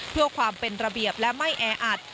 เพื่อความเป็นระเบียบและไม่แออัด